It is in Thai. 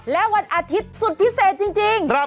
และวันอาทิตย์สุดพิเศษจริง